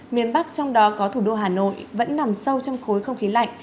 miền bắc trong đó có thủ đô hà nội vẫn nằm sâu trong khối không khí lạnh